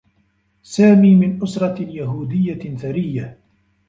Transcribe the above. سامي من أسرة يهوديّة ثريّة.